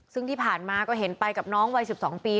ซึ่งที่ผ่านมาก็เห็นไปกับน้องวัย๑๒ปี